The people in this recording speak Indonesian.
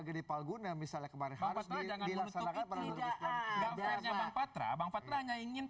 gede palguna misalnya kemarin harusnya jangan dilaksanakan perangkatnya patra patra ingin